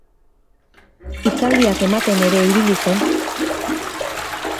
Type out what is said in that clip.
Hitzaldiak ematen ere ibili zen.